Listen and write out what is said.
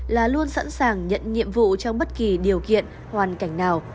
là luôn sẵn sàng nhận nhiệm vụ trong bất kỳ điều kiện hoàn cảnh nào